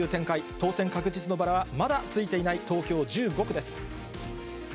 当選確実のバラはまだついていない東京１５区です。